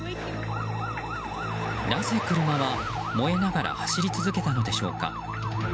なぜ車は、燃えながら走り続けたのでしょうか。